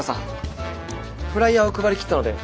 フライヤーを配り切ったので戻りました。